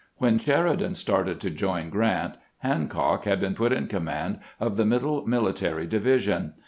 When Sheridan started to join Grant, Hancock had been put in command of the Middle Military Division.